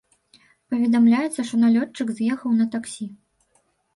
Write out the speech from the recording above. Паведамляецца, што налётчык з'ехаў на таксі.